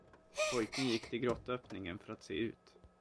Pojken gick till grottöppningen för att se ut.